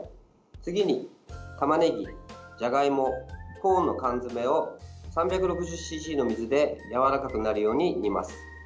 次にたまねぎ、じゃがいもコーンの缶詰を３６０ｃｃの水でやわらかくなるように煮ます。